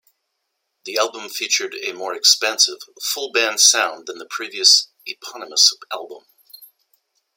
The album featured a more expansive, full band sound than the previous eponymous album.